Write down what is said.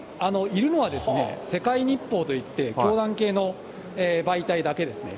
いるのは世界日報といって、教団系の媒体だけですね。